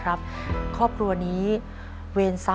เกมต่อชีวิต